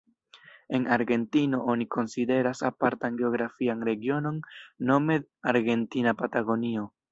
En Argentino oni konsideras apartan geografian regionon nome Argentina Patagonio.